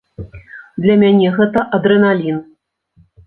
Для мяне гэта адрэналін.